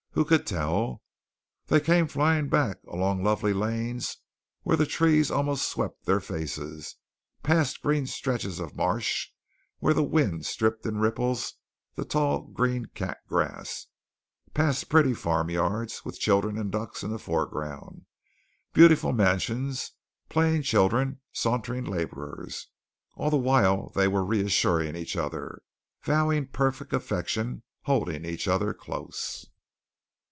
Who could tell? They came flying back along lovely lanes where the trees almost swept their faces, past green stretches of marsh where the wind stirred in ripples the tall green cat grass, past pretty farm yards, with children and ducks in the foreground, beautiful mansions, playing children, sauntering laborers. All the while they were reassuring each other, vowing perfect affection, holding each other close.